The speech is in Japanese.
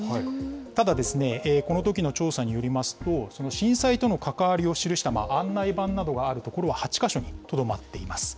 ただですね、このときの調査によりますと、震災との関わりを記した案内板などがある所は８か所にとどまっています。